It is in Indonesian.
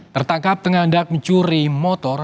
tertangkap tengah tengah mencuri motor